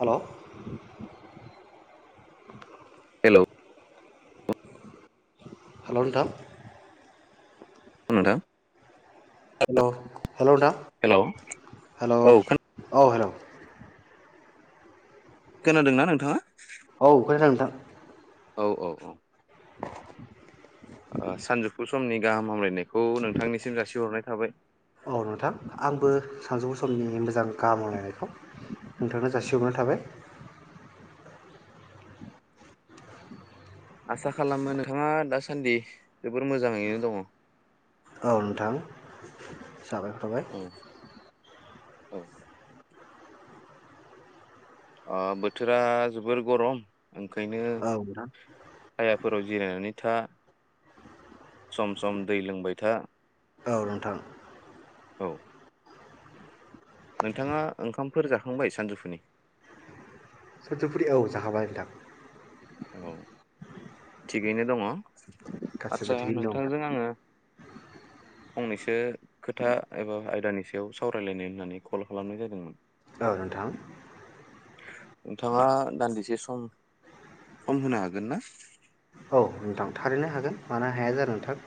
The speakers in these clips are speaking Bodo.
हेलौ औ औ हेल' नोंथां। नोंथां। हेल हेलौ नोंथां हेलौ हेल' औ हेलौ। खोनादोंना नोंथांङा? औ खोनादों नोंथां। औ औ औ। [inaudible] ओ सानजौफु फु समनि गाहाम हामलायनाय खौ नोंथांनिसिम जासिहरनाय थाबाय औ नोंथां आंबो सानजुफु समनि मोजां गाहामलायनायखौ नोंथांनो जासिहरनाय थाबाय। आसा खालामो नोंथांङा दासान्दि जोबोर मोजाङैनो दङ। औ नोंथां। साबायखर थाबाय। औ। अ बोथोरा जोबोर गरम। ओंखायनो औ नोंथां हायाफोराव जिरायनानै था सम सम दै लोंबाय था। औ नोंथां। औ। नोंथांङा ओंखामफोर जाखांबाय सानजौफुनि? सजफुरि औ जाहाबाय नोंथां। औ थिगैनो दङ। गासिबो आदसा थिगैनो दं नोंथांजों आंङो फंनैसो खोथा एबा आयदानि सायाव सावरायलायनाय होननानै कल खालामनाय जादोंमोन। औ नोंथां। नोंथांङा दान्दिसे सम खम होनो हागोन ना? औ नोंथां थारैनो हागोन मानो हाया जानो नोंथां।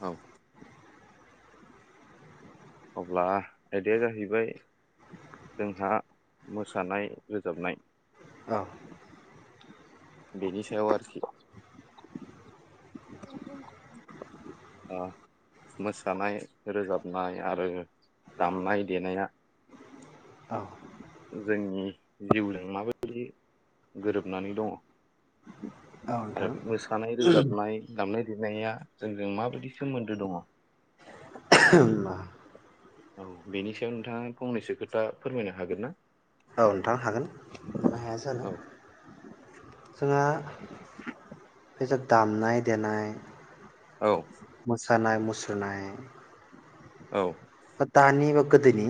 औ। अब्ला आयदाया जाहैबाय जोंहा मोसानाय रोजाबनाय औ बेनि सायाव आरोखि ओ मोसानाय रोजाबनाया आरो दामनाय देनाया औ जोंनि जिउजों माबायदि गोरोबनानै दङ औ आरो नोंथां मोसानाय रोजाबनाय दामनाय देनाया जोंजों माबायदि सोमोन्दो दङ औ औ बेनि सायाव नोंथाङा फंनैसो खोथा फोरमायनो हागोन ना ओ नोंथां हागोन मानो हाया औ जानो जोंहा बे दामनाय देनाय औ खानाय मुसुरनाय औ बा दानि बा गोदोनि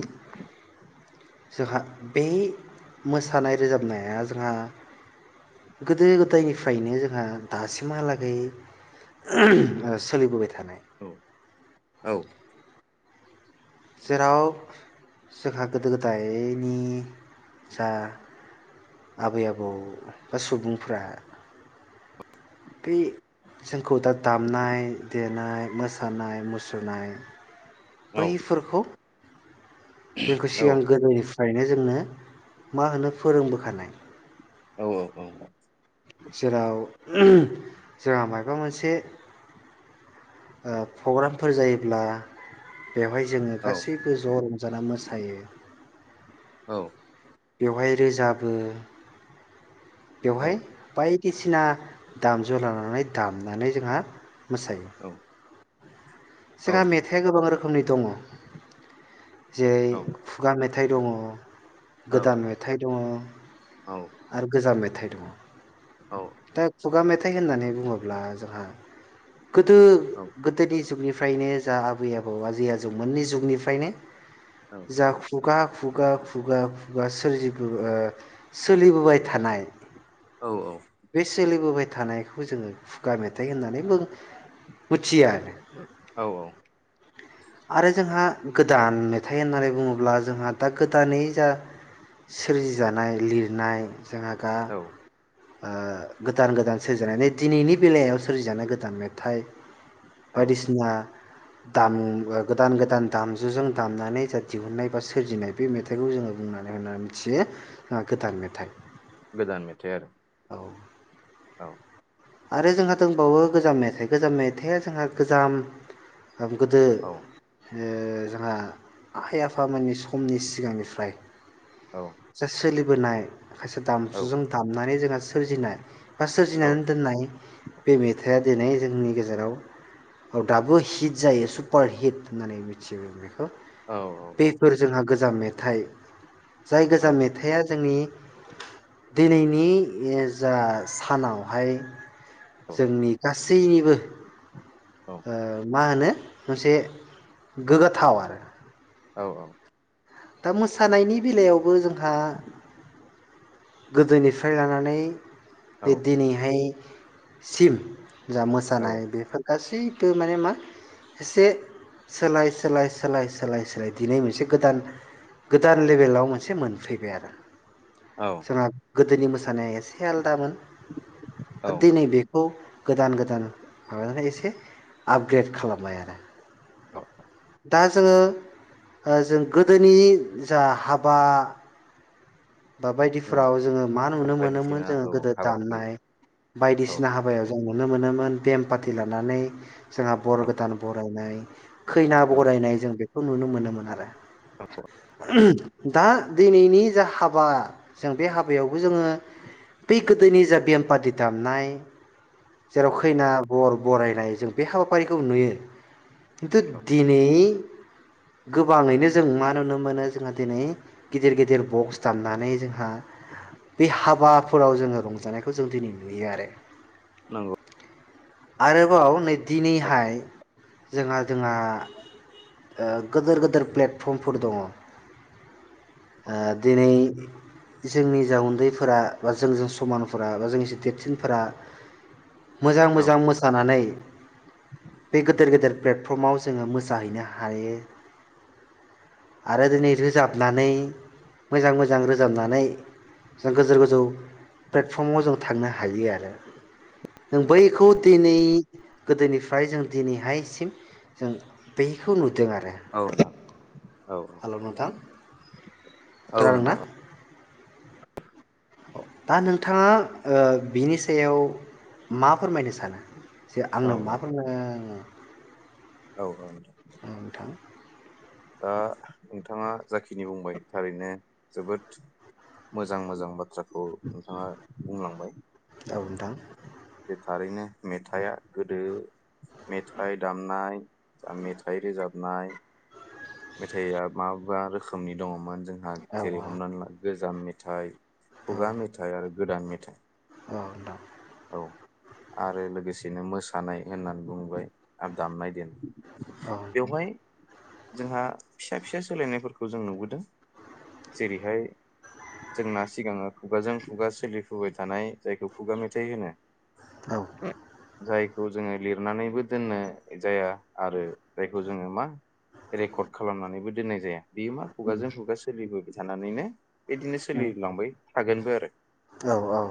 जोंहा बे मोसानाय रोजाबनाया जोंहा गोदो गोदायनिफ्रायनो जोंहा दासिमहालागै सोलिबोबाय था थानाय औ औ जेराव जोंहा गोदो गोदायनि जा आबै आबौ बा सुबुंफोरा बे जोंखौ दा दामनाय देनाय मोसानाय मुसुरनाय बैफोरखौ जेखौ औ सिगां गोदोनिफ नो जोंनो मा होनो फोरोंबोखानाय औ औ औ जेराव जोंहा माबा मोनसे ओ प्रग्रामफोर जायोब्ला बेवहाय जोङो औ गासैबो ज' जाना मोसायो औ बेवहाय रोजाबो औ बेवहाय बाय सिना दामजु लानानै दामनानै जोंहा मोसायो औ औ जोंहा नोंथां मेथाइआ गोबां रोखोम खोमै दङ जेरै औ खुगा मेथ मेथाइ दङ औ गोदान मेथाइ दङ औ आरो गोजा मेथ थाय दङ औ दा खुगा मेथाइ होननानै बुङोब्ला जोंहा गोदो औ गोदोनि जुगनि फ्रायनो जा आबै आबौ आजै आजौमोननि जुगनिफ्रायनो औ जा खुगा खुगा खुगा खुगा सोरजिबो ओ सोलिबोबाय थानाय औ औ। बे सोलिबोबाय थानायखौ जोङो खुगा मेथाइ होननानैबो मोथियो आरो। औ औ। आरो जोंहा गोदान मेथाइ होननानै बुङोब्ला जोंहा दा गोदानै जा सोरजिजानाय लिरनाय जोंहा गा औ ओ गोदान गोदान सोरजिजानाय दिनैनि बेलायाव सोरजिजानाय गोदान मेथाइ। औ बायदिसिना दाम ओ गोदान गोदान दामजुजों दामनानै जा दिहुनन्नाय बा सोरजिनाय बे मेथाइखौ जोङो बुंनानै होननानै मिथियो ओ गोदान मेथाइ। गोदान मेथाइ आरो। औ औ आरो जोंहा दोंबावो गोजाम मेथाइ गोजाम मेथाइया जोंहा गोजाम होम गोदो औ ओ जोंहा आइ आफा मोननि समनि सिगांनिफ्राय औ जा सोलि बोनाय खायसे औ दामजुजों दामनाय बा सोरजिनाय बा औ सोरजिनानै दोननाय बे मेथाइआ दिनै जोंनि गेजेराव औ दाबो हिट जायो सुपार हिट होननानै मिथियो बे औ औ बेफोर जोंहा गोद जा मेथाइ जाय औ गोजाम मेथाइआ जोंनि दिनैनि [unintelligible] जा सानावहाय जोंनि गा सैनिबो ओम मा होनो मोनसे गोगाथाव आरो। औ औ। दा मोसानायनि बेलायावबो जोंहा गोदोनिफ्राय लानानै बे दिनैहाय सिम जा मोसानाय बेफोर गासै माने मा एसे सोलाय सोलाय-सोलाय-सोलाय- सोलाय दिनै मोनसे गोदान गोदान लेबेलाव मोनसे मोनफैबाय आरो औ जोंहा गोदोनि मोसानाया एसे आलदामोन आरो दिनै बे बेखौ गोदान गोदान माबानानै एसे आपग्रेड खालामबाय आरो दा जोङो ओ जों गोदोनि जा हाबा बा उम बायदिफ्राव जोङो मा नुनो मोनोमोन बायदिसिना जोङो औ गोदो हाबाफारि दामनाय औ बायदिसिना हाबायाव जों नुनो मोनोमोन बेम पाटि लानानै जोंहा बर औ गोदान बरायनाय खैना औ बरायनाय जों बे खौ नुनो मोनोमोन आरो [unintelligible] दा दिनैनि जा हाब हाबा जों बे हाबायावबो जोङो बै गोदोनि जा बेमपाथि दामनाय जेराव खैना बर बरायनाय जों बे हाबाफारिखौ नुयो खिन्थु दिनै गोबाङैनो जों मा नुनो मोनो जोंहा दिनै गिदिर गिदिर बक्स दामनानै जोंहा बे हाबाफोराव जोङो रंजानायखौ जों दिनै नुयो आरो नंगौ आरोबाव नै औ दिनैहाय जोंहा जोंहा ओ गोदोर गोदोर प्लेटफर्मफोर दङ। ओ दिनै जोंनि जा उन्दैफोरा बा जोंजों समानफोरा बा जोंनि देरसिनफोरा मोजां औ मोजां मोसानानै बे गेदेर गेदेर प्लेटफर्माव जोङो मोसाहैनो हायो आरो दिनै रोजाबनानै मोजां मोजां रोजाबनानै जों गोजौ गोजौ प्लेटफर्माव जों थांनो हायो आरो जों बैखौ दिनै गोदोनिफ्राय जों दिनैहायसिम जों बखौ नुदों आरो औ नोंथां औ हेल' नोंथां औ खोनादोंना नोंथां [unintelligible] दा नोंथाङा ओ बिनि सायाव मा फोरमायनो सानो? जे औ आंनो मा फोरमायनो औ औ दे नोंथां ओ नोंथाङा जाखिनि बुंबाय थारैनो जोबोद मोजां मोजां बाथ्राखौ नोंथाङा बुंलांबाय। औ नोंथां जे थारैनो मेथाइया गोदो मेथाइ दामनाय मेथाइ रोजाबनाय। मेथाइआ मा मा रोखोमनि दङमोन जों जोंहा औ जेरै हमनानै ला गोजाम मेथा थाइ औ खुगा मेथाइ आरो गोदान मेथाइ औ नोंथां। औ आरो लोगोसेनो मोसानाय होननानै बुंबाय आरो दामनाय देनाय औ नोंथां। बेवहाय जोंहा फिसा फिसा सोलायनायफोरखौ जों नुबोदों जेरैहाय जोंना सिगाङो खुगाजों खुगा सोलिफुबाय थानाय जायखौ थाइ होनो औ जाय खौ जोङो लिरनानैबो दोननाय जाया आरो जायखौ जोङो मा रेकर्ड खालामनानैबो दोननाय जाया। बेयो मा खुगाजों खुगा सोलिबो थानानैनो बिदिनो सोलिलांबाय थागोनबो आरो। औ औ।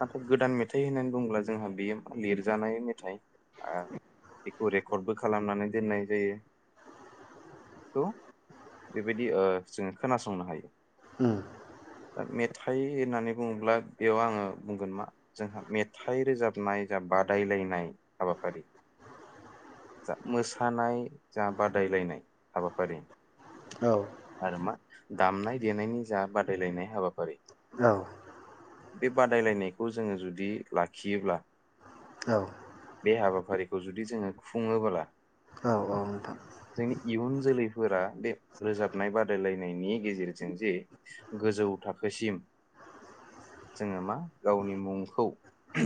नाथाय गोदान मेथाइ होननानै बुङोब्ला जोंहा बेयो मा लिरजानाय मेथाइ ओ बेखौ रेकर्डबो खालामनानै दोननाय जायो। बेखौ बेबायदि ओ जोङो खोनासंनो हायो। उम। मेथाइ होननानै बुङोब्ला बेयाव आङो बुंगोन मा। जोंहा मेथाइ रोजाबनाय जा बादायलायनाय हाबाफारि जा मोसानाय जा बादायलायनाय हाबाफारि। औ आरो मा। दामनाय देनायनि जा बादायलायनाय हाबाफारि। औ। बे बादायलायनाय खौ जोङो जुदि लाखियोब्ला। औ। बे हाबाफारिखौ जुदि जोङो खुङोबोला। औ नोंथां जोंनि इउन जोलै। फोरा बे रोजाबनाय बादायलायनायनि गेजेरजों जे गोजौ थाखोसिम जोङो मा। गावनि मुंखौ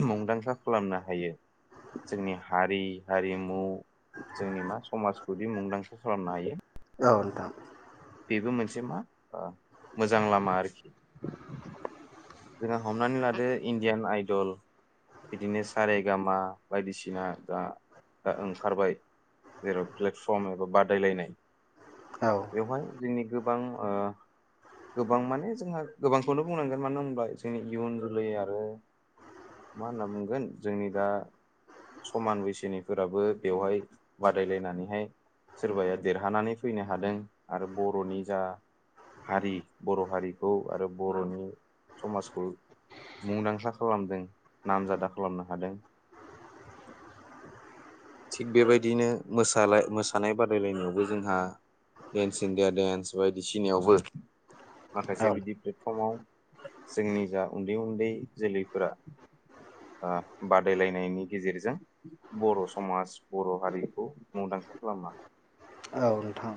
मुंदांखा खालामनो हायो जोंनि हारि हारिमु। जोंनि मा समाज। जुदि मुंदांखा खालामनो हायो। ओउ नोंथां। बेबो मोनसे मा। मोजां लामा आरोखि जोंहा हमनानै लादो इण्डियान आइ। दल बिदिनो सारे गामा बायदिसिना दा दा ओंखारबाय जेराव प्लेटफर्म एबा बादायलायनाय। औ। बेवहाय जोंनि गोबां ओ गोबां माने जोंहा गोबांखौनो बुंनांगोन मानो होना जोंनि इयुन जोलै आरो मा होनना बुंगोन जोंनि दा समान बैसोनिफोराबो बेवहाय बादायलायना नैहाय सोरबाया देरहानानै फैनो हादों। आरो बर'नि जा हारि बर' हारिखौ आरो बर'नि समाजखौ मुंदांखा खालामदों नामजादा खालामनो हादों थिग बेबायदिनो मोसालायनाय मोसानाय बादायलायनायावबो जोंहा डेन्स इण्डिया डेन्स बायदिसिनायावबो। औ माखासे बिदि प्लेटफर्मआव। जोंनि जा उन्दै उन्दै जोलैफोरा ओ बादायलायनायनि गेजेरजों बर' समाज बर' हारिखौ मुंदांखा खालामनो हायो। औ नोंथां।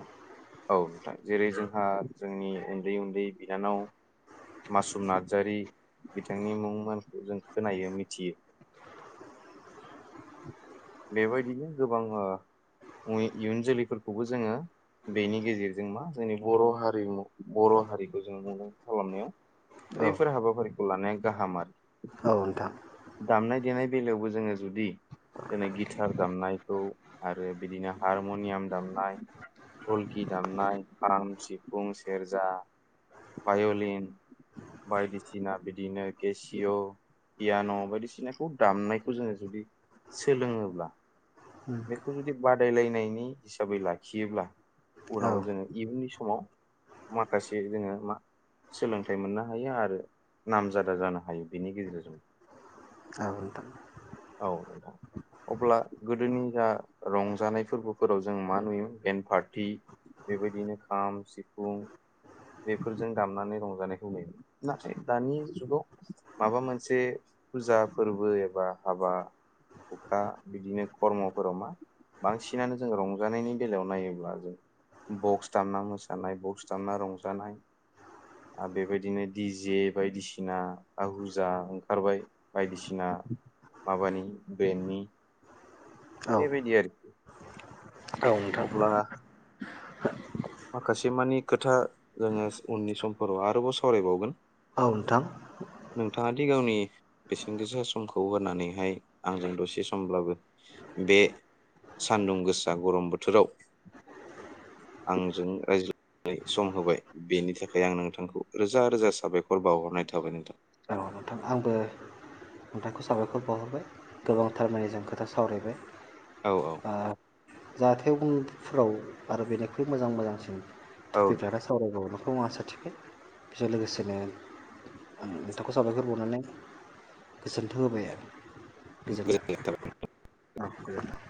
औ नोंथां जेरै जोंहा जोंनि उन्दै उन्दै बिनानाव मासुम नार्जारि बिथांनि मुंमोनखौ जों खोनायो मिथियो बेबायदिनो गोबां ओ इयुन जोलैफोरखौबो जोङो बेनि गेजेरजों मा जोंनि बर' हारिमु बर' हारिखौ जों मुंदां खालामनायाव औ बैफोर हाबाफारि खौ लानाया गाहाम आरोखि औ नोंथां औ दामनाय देनाय बेलायावबो जोङो जुदि दिनै गिटार दामनायखौ आरो बिदिनो हारमनियाम दामनाय धलकि दामनाय खाम सिफुं सेरजा भाय'लिन बायदिसिना बिदिनो केसिय' पियान' बायदिसिनाखौ दामनायखौ जोङो जुदि सोलोङोब्ला बेखौ जुदि बादायलायनायनि हिसाबै लाखियोब्ला। औ नोंथां औ उनाव जोङो इउन समाव माखासे जोङो मा सोलोंथाइ मोननो हायो आरो नामजादा जानो हायो बेनि गेजेरजों। औ नोंथां। औ अब्ला गोदोनि जा रंजानाय फोरबोफोराव जों मा नुयो मोन एण्डभार्ट। थि बेबायदिनो खाम सिफुं बेफोरजों दामनानै रंजानायखौ नाथाय दानि जुगाव माबा मोनसे फुजा फोरबो एबा हाबा हुखा बिदिनो खर्मफोराव मा बांसिनानो जों रंजानायनि बेलायाव नायोब्ला। बक्स दामना मोसानाय बक्स दामना रंजानाय आरो बेबायदिनो डि जे बायदिसिना आहुजा ओंखारबाय बायदिसिना माबानि ब्रेन्डनि। बेबायदि आरख औ नोथां। माखासे मानि खोथा जोङो उननि समफोराव आरोबाव सावरायबावगोन। औ नोंथां। नोंथाङ दि गावनि बेसेन गोसा समखौ होनानैहाय आंजों दसे समब्लाबो बे सानदुं गोसा गरम बोथोराव। आंजों रायज्लायनाय सम होबाय बेनि थाखाय आं नोंथांखौ रोजा रोजा साबायखर बावहरनाय थाबाय नोंथां। औ नोंथां आंबो नोंथांखौ साबायखर बावहरबाय गोबां थारमानानि जों खोथा सावरायबाय। औ। जाहाथे उनफोराव आरो बेनिख्रुइ मोजां मोजांसिन थै नोंथां जा सावरायाव [inaudible] बेखौ आसा थिबाय बेजों लोगोसेनो खौ साबायखर बावनानै गोजोनथों होबाय आरो। गोजोन्थों गोजोननाय थाबाय औ गोजोन्थों।